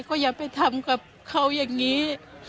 ก็อย่าไปทำกับเขาอย่างนี้